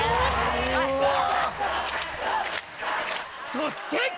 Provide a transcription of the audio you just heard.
そして！